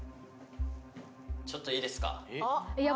ちょっといいですか？